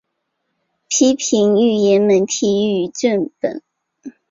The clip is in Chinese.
批评预言媒体和誊本